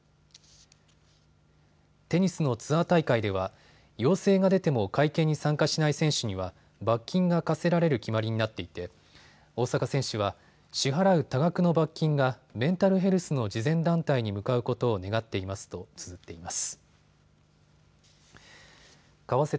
テニスのツアー大会では要請が出ても会見に参加しない選手には罰金が科せられる決まりになっていて大坂選手は支払う多額の罰金がメンタルヘルスの慈善団体に向かうことを願っていますとつづっています。